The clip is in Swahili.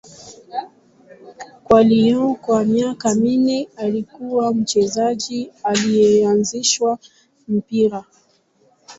Kwa Lyon kwa miaka minne, alikuwa mchezaji aliyeanzisha mpira.